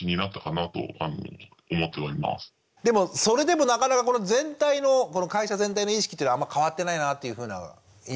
でもそれでもなかなか全体の会社全体の意識というのはあんま変わってないなっていうふうな印象なんですね。